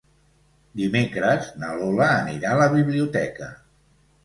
Dimecres na Lola anirà a la biblioteca.